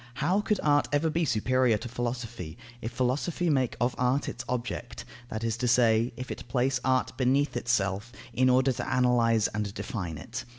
How could art ever be superior to philosophy, if philosophy make of art its object, that is to say, if it place art beneath itself, in order to analyse and define it?